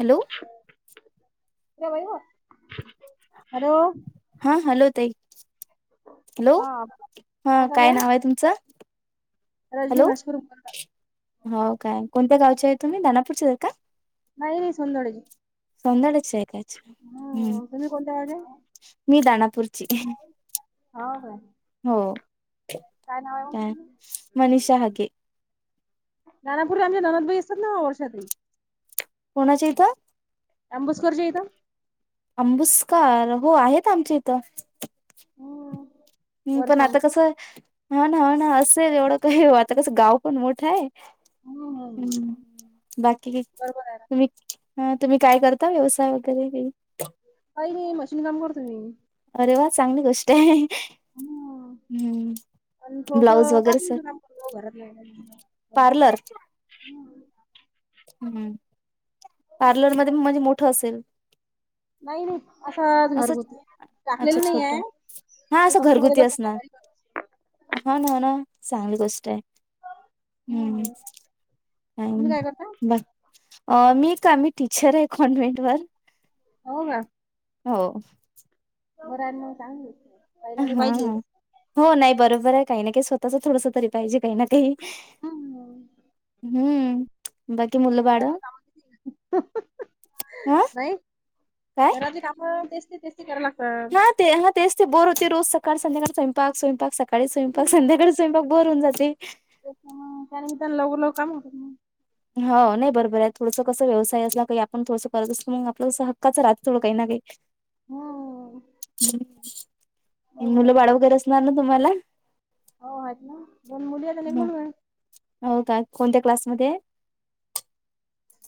Hello. ह भा hello. हा हॅलो. ते हॅलो हा हा काय नाव आहे तुमचं? रजनी हॅलो मशकरूर [inaudible] हो काय कोणत्या गावच्या आहे तुम्ही? दानापूरचे का. नाही सुंदडज. सुंदडज चे. हम्म तुम्ही कोणत्या वाडे हो मी दानापूरची. काय हो नाव आहे मग? काय तुमचं? मनीषा हाके. नानापूरला आमच्या नणंद बाई असतात ना वर्षा ताई. कोणाच्या हीत? अंबुस्करच्या हीत. अंबुसकार हो आहेत आमच्या इथं. हम्म, हम् पण वर्षा आता आंबुसकर कसं न्हव न्हव असेल एवढं काही आता कसं गाव पण मोठं हाय हम्म हम्म. हम् बाकी बरोबर आहे ना तुम्ही ह तुम्ही काय करता व्यवसाय वगैरे? काई नाही मशीन काम करतो मी. अरे वा चांगली गोष्ट हाय. हम्म. आणि थोडस पार्लरच काम करतो घरातल्या घरात पार्लर [unintelligible] [inaudible] हम्म पार्लरमध्ये म म्हणजे मोठ असेल? नाही नाही. असंच घरगुती अच्छा टाकलेलं नाही छोट आय कष्टमर येतात अस घरी हा न न चांगली गोष्ट आय. हम्, असते. तुम्ही काय करता? ब अ मी का मी टीचर आय कॉन्व्हेंट वर. हो का. हो. बर आय म चांगली आहे. हां महिलांना हां पाहिजेच. हो नाही बरोबर आहे काही ना काही स्वतःच थोडस तरी पाहिजे काही ना काही. हम्म हम्म बाकी मूल बाळ? घरातली कामं किती हा नाही काय घरातले काम तेस्ते तेस्ती करा लाग हा ते हा तेस्ते बोर होते रोज सकाळ संध्याकाळ स्वयंपाक स्वयंपाक स सकाळी स्वयंपाक संध्याकाळी स्वयंपाक बोर हुन जाते. त्याच्यामुळ काय नाही तेणला उल काम ह नाही बरोबर आहे थोडसं कसं व्यवसाय असला काही आपण थोडसं करत असतो मग आपलं हक्काचं राहतो काही ना काही. हम्म बरोबर मुलं आहे. बाळ वगैरे असणार ना तुम्हाला? हो आहेत ना दोन मुली आणि एक मुलगा आय. हो का कोणत्या क्लासमध्ये आये?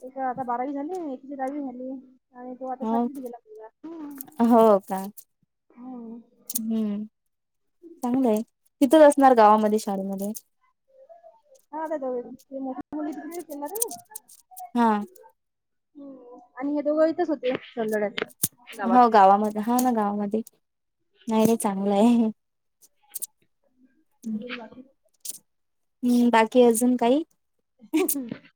एक आता बारावी झाली. एकची दहावी झाली. आणि तो आता हो सातवीत गेला मुलगा. हम्म हो का. हम्म हम्म चांगलंय तिथच असणार गावामध्ये? शाळेमध्ये. हां आता [unintelligible] मुली [unintelligible] हा हम्म आणि हे दोघ इथच होते समजड्यात. हो गावामध्ये हा ना गावामध्ये नाही नाही चांगलं आहे. अ बाकी. हम्म बाकी अजून काही? [inaudible]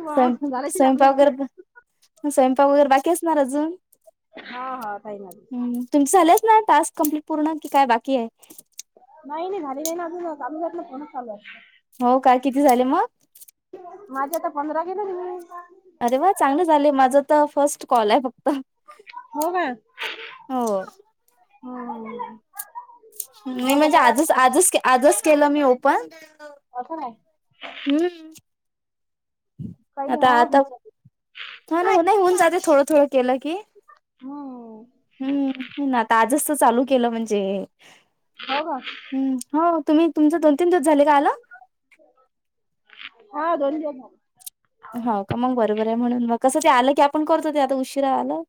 बा स्वयं झाल्याशीच आपल्या स्वयंपाक मध्ये वगैरे स्वयंपाक वगैरे बाकी असणार अजून? हा हा काही नाही हम्म तुमच झालंच ना टास्क कंप्लीट पूर्ण कि काय बाकी आय? नाही झाली नाई ना अजून कालिजातन फोनच चालू आय. हो काय किती झाले म? माझे आता पंधरा केेलं ना मी. अरे वा चांगलं झाले माझं तर फस्ट कॉल आहे फक्त. हो हो. हां. नाही म्हणजे आजच आजच आजच केलं मी ओपन मग असं नाही हम्म! [inaudible] काही नाही आता हो आता ह ना नाही होऊन जाते थोडं थोडं केलं की हो हम्म ना आता आजच तर चालू केलं म्हणजे हो का हम् हो. तुम्ही तुमच दोन तीन दिवस झाले का आला. हा दो. हो का मग बरोबर आहे म्हणून म कसं ते आलं की आपण करतो ते आता उशिरा आलं.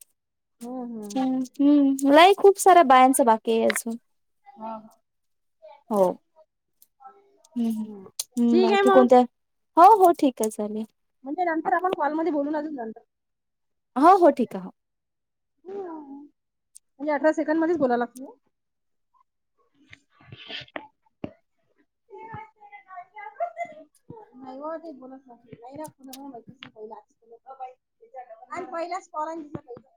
हम्म हम् हम्म हम्म मलाही खूप साऱ्या बायांच बाकी आहेजून. हा. हम् हम् बाकी मग कोणत्या हो हो ठीक आहे चाले. म्हणजे नंतर आपण कॉलमध्येध्ये बोलून आलू नंतर. हो हो ठीक आहे हो. म्हणजे अठरा सेकंड मध्येच बोलाला लाग. [inaudible] [inaudible] नाही वा ते बोलास नाही फु भतीस भहिला तला बाई. पहिल्याच [unintelligible]